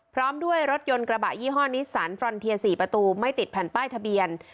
พร้อมด้วยรถยนต์กระบะยี่ห้อนิสสันฟรอนเทีย๔ประตูไม่ติดแผ่นป้ายทะเบียน